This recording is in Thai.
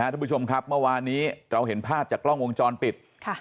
ทุกผู้ชมครับเมื่อวานนี้เราเห็นภาพจากกล้องวงจรปิด